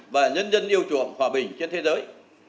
và nhân dân yêu chuộng hòa bình trên thế giới